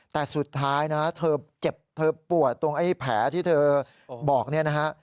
แต่สุดท้ายนะเธอเจ็บเธอปวดตรงไอ้แผลที่เธอบอกเนี่ยนะฮะ